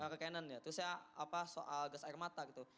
ke cannon ya terus ya apa soal gas air mata gitu